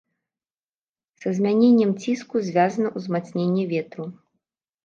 Са змяненнем ціску звязана ўзмацненне ветру.